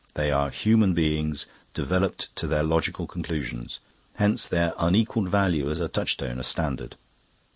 They are human beings developed to their logical conclusions. Hence their unequalled value as a touchstone, a standard.